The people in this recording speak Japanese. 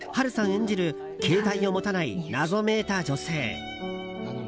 演じる携帯を持たない謎めいた女性。